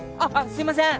すいません！